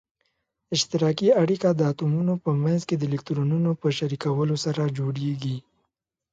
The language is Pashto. اشتراکي اړیکه د اتومونو په منځ کې د الکترونونو په شریکولو سره جوړیږي.